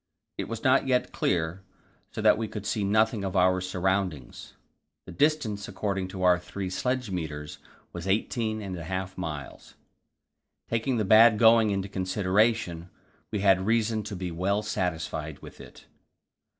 It was not yet clear, so that we could see nothing of our surroundings. The distance according to our three sledge meters was eighteen and a half miles; taking the bad going into consideration, we had reason to be well satisfied with it.